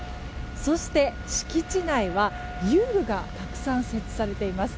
そして、敷地内は遊具がたくさん設置されています。